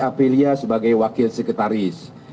apelia sebagai wakil sekretaris